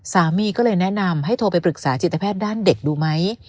สามีก็เลยแนะนำให้โทรไปปรึกษาจิตแพทย์ด้านเด็กดูไหม